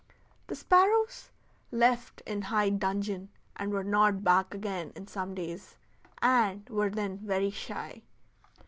The sparrows left in high dungeon, and were not back again in some days, and were then very shy.